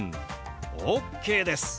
ＯＫです！